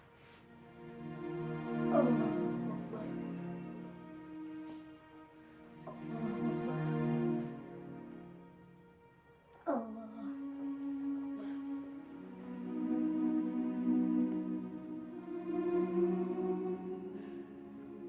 assalamualaikum warahmatullahi wabarakatuh